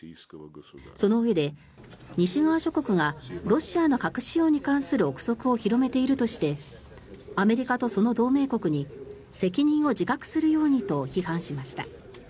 そのうえで、西側諸国がロシアの核使用に関する臆測を広めているとしてアメリカとその同盟国に責任を自覚するようにと批判しました。